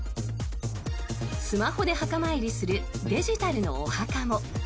スマホで墓参りするデジタルのお墓も。